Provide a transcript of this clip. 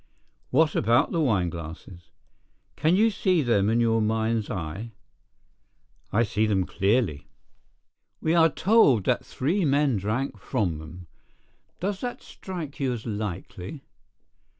"What about the wineglasses?" "Can you see them in your mind's eye?" "I see them clearly." "We are told that three men drank from them. Does that strike you as likely?"